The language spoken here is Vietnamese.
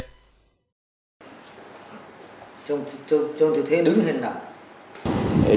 trong thể thế đứng hình nào